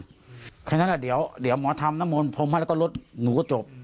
เพราะฉะนั้นเดี๋ยวหมอทำน้ำมนต์พรมให้แล้วก็รถหนูก็จบ